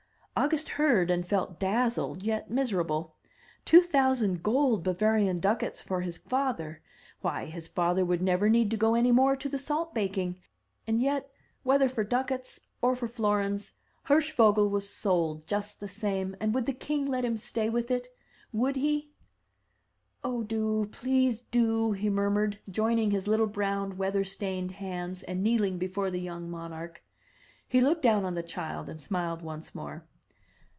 August heard, and felt dazzled yet miserable. Two thousand gold Bavarian ducats for his father! Why, his father would never need to go any more to the salt baking! And yet, whether 312 THE TREASURE CHEST for ducats or for florins, Hirschvogel was sold just the same, and would the king let him stay with it? — would he? 0h, do! please do!'* he murmured, joining his little brown weather stained hands, and kneeling before the young monarch. He looked down on the child and smiled once more.